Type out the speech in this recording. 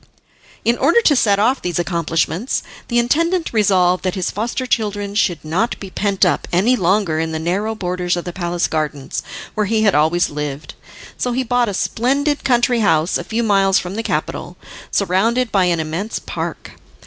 In order to set off these accomplishments, the intendant resolved that his foster children should not be pent up any longer in the narrow borders of the palace gardens, where he had always lived, so he bought a splendid country house a few miles from the capital, surrounded by an immense park.